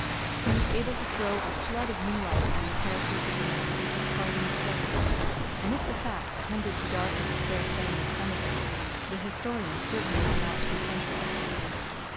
He was able to throw a flood of new light on the characters of the men who took part in the struggle, and if the facts tended to darken the fair fame of some of them, the historian certainly ought not to be censured for it.